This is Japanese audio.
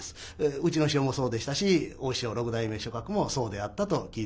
うちの師匠もそうでしたし大師匠六代目松鶴もそうであったと聞いております。